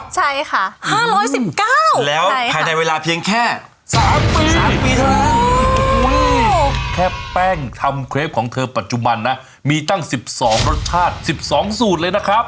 ใช่ค่ะ๕๑๙แล้วภายในเวลาเพียงแค่๓ปี๓ปีเท่านั้นแค่แป้งทำเครปของเธอปัจจุบันนะมีตั้ง๑๒รสชาติ๑๒สูตรเลยนะครับ